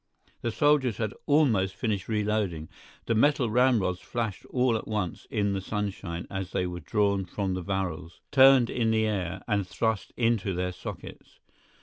The soldiers had almost finished reloading; the metal ramrods flashed all at once in the sunshine as they were drawn from the barrels, turned in the air, and thrust into their sockets.